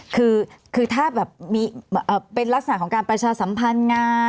คือถ้าแบบมีเป็นลักษณะของการประชาสัมพันธ์งาน